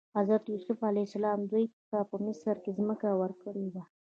حضرت یوسف علیه السلام دوی ته په مصر کې ځمکه ورکړې وه.